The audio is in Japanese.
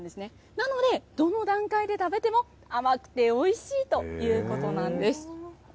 なので、どの段階で食べても甘くておいしいということなんです。